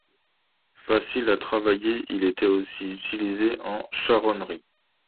Facile à travailler, il était aussi utilisé en charronnerie.